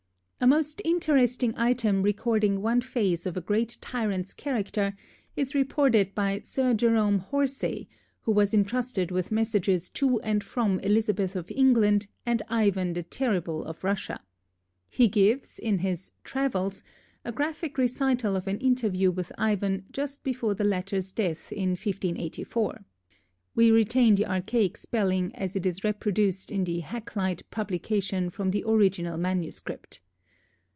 A most interesting item recording one phase of a great tyrant's character is reported by Sir Jerome Horsey, who was entrusted with messages to and from Elizabeth of England and Ivan the Terrible of Russia. He gives, in his "Travels," a graphic recital of an interview with Ivan just before the latter's death in 1584. We retain the archaic spelling as it is reproduced in the Hakluyt publication from the original manuscript.